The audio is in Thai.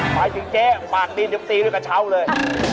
หมายถึงเจ๊ปากดินยังตีด้วยกระเช้าเลย